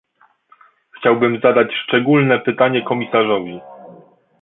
Chciałbym zadać szczególne pytanie komisarzowi